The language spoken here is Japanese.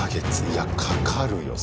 いやかかるよ